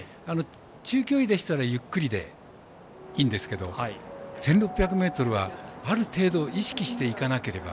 中距離でしたらゆっくりでいいんですけど１６００ｍは、ある程度意識していかなければ。